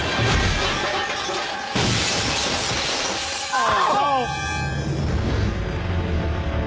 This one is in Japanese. ああ！？